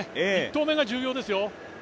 １投目が重要ですよ。